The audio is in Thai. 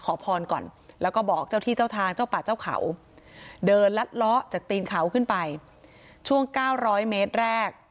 ขอพรก่อนแล้วก็บอกเจ้าที่เจ้าทางเจ้าป่าเจ้าเขาเดินลัดเลาะจากตีนเขาขึ้นไปช่วง๙๐๐เมตรแรก